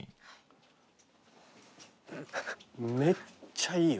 めっちゃいいよ。